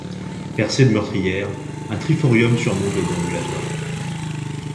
Percé de meurtrières, un triforium surmonte le déambulatoire.